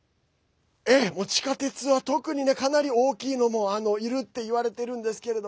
地下鉄は特にかなり大きいのもいるっていわれてるんですけど。